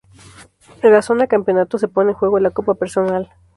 En la zona campeonato se pone en juego la Copa Personal.